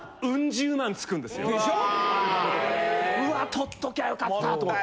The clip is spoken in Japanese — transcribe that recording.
とっときゃ良かったと思って。